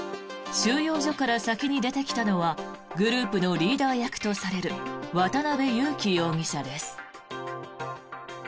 収容所から先に出てきたのはグループのリーダー役とされる渡邉優樹容疑者です。